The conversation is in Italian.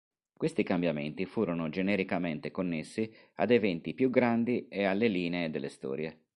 Questi cambiamenti furono genericamente connessi ad eventi più grandi e alle linee delle storie.